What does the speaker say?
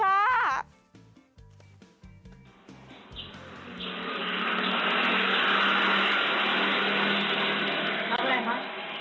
เอาอะไรมา